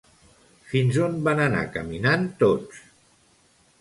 Fins on van anar caminant tots?